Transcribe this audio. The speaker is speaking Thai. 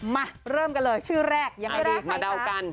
มาเริ่มกันเลยชื่อแรกยังไงดีมาเดากัน